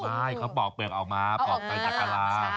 ใช่เขาปอกเปลือกออกมาปอกไปจากกะลา